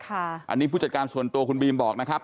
อันนี้ผู้จัดการส่วนตัวคุณบีมบอกนะครับ